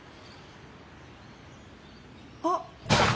あっ。